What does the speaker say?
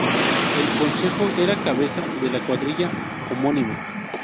El concejo era cabeza de la cuadrilla homónima.